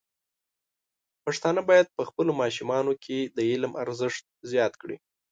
پښتانه بايد په خپلو ماشومانو کې د علم ارزښت زیات کړي.